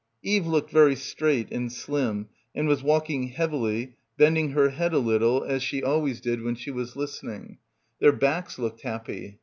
Eve looked very straight and slim and was walking happily, bending her head a little as she — 222 — BACKWATER always did when she wfts listening. Their backs looked happy.